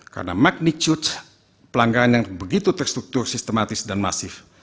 karena magnitude pelanggaran yang begitu terstruktur sistematis dan masif